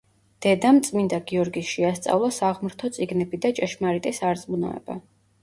დედამ წმინდა გიორგის შეასწავლა საღმრთო წიგნები და ჭეშმარიტი სარწმუნოება.